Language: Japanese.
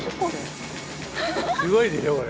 すごいでしょこれ。